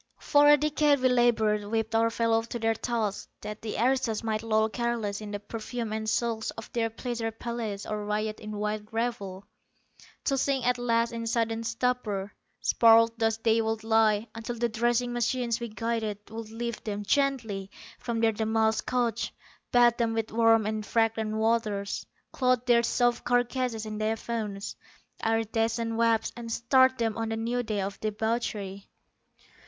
For a decade we labored, whipped our fellows to their tasks, that the aristos might loll careless in the perfume and silks of their pleasure palaces, or riot in wild revel, to sink at last in sodden stupor. Sprawled thus they would lie, until the dressing machines we guided would lift them gently from their damasked couches, bathe them with warm and fragrant waters, clothe their soft carcasses in diaphanous, iridescent webs, and start them on a new day of debauchery.